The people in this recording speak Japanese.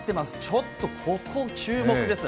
ちょっとここ注目です。